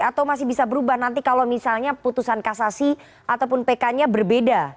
atau masih bisa berubah nanti kalau misalnya putusan kasasi ataupun pk nya berbeda